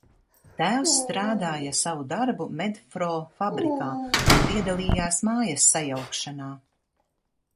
"Tēvs strādāja savu darbu "Medfro" fabrikā un piedalījās mājas sajaukšanā."